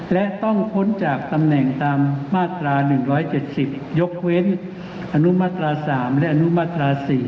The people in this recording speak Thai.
และต้องพ้นจากตำแหน่งตามมาตรา๑๗๐ยกเว้นอนุมาตรา๓และอนุมาตรา๔